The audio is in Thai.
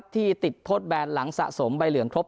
ที่ติดโทษแบนหลังสะสมใบเหลืองครบ